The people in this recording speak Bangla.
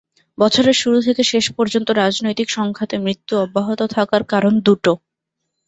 বছরের শুরু থেকে শেষ পর্যন্ত রাজনৈতিক সংঘাতে মৃত্যু অব্যাহত থাকার কারণ দুটো।